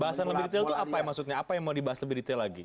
bahasan lebih detail itu apa maksudnya apa yang mau dibahas lebih detail lagi